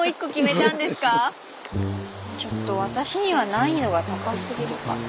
ちょっと私には難易度が高すぎるかな。